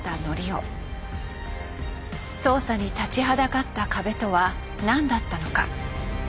捜査に立ちはだかった壁とは何だったのか。